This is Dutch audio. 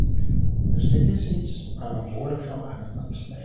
Dus dit is iets waar we behoorlijk veel aandacht aan besteden.